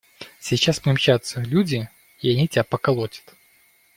Сейчас примчатся… люди, и они тебя поколотят.